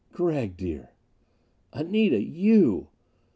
"Gregg, dear." "Anita, you!"